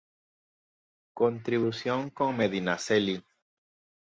Contribución con Medinaceli.